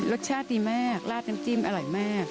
รสชาติดีมากราดน้ำจิ้มอร่อยมาก